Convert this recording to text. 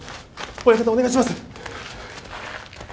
親方お願いします。